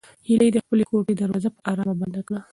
هیلې د خپلې کوټې دروازه په ارامه بنده کړه.